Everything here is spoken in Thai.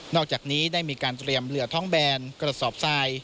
อกจากนี้ได้มีการเตรียมเหลือท้องแบนกระสอบทราย